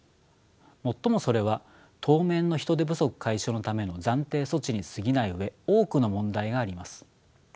もっともそれは当面の人手不足解消のための暫定措置にすぎない上多くの問題があります。